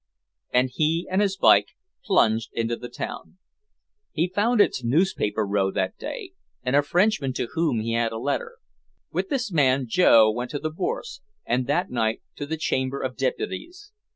And he and his bike plunged into the town. He found its "newspaper row" that day and a Frenchman to whom he had a letter. With this man Joe went to the Bourse and that night to the Chamber of Deputies.